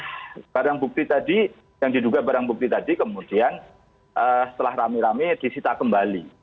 dan barang bukti tadi yang diduga barang bukti tadi kemudian setelah rame rame disita kembali